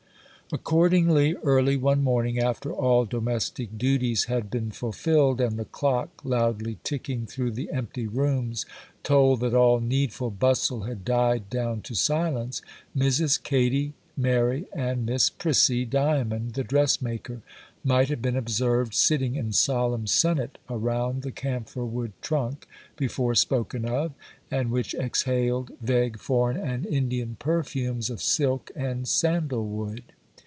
Accordingly, early one morning, after all domestic duties had been fulfilled, and the clock, loudly ticking through the empty rooms, told that all needful bustle had died down to silence, Mrs. Katy, Mary, and Miss Prissy Diamond, the dressmaker, might have been observed sitting in solemn senate around the camphor wood trunk, before spoken of, and which exhaled vague foreign and Indian perfumes of silk and sandalwood.